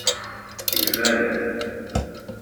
Ils veulent.